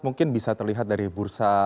mungkin bisa terlihat dari bursa